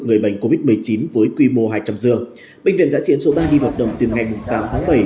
người bệnh covid một mươi chín với quy mô hai trăm linh giường bệnh viện giã chiến số ba đi vào đồng từ ngày tám tháng bảy